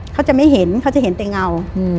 เขาจะไม่เห็นเขาจะเห็นแต่เงา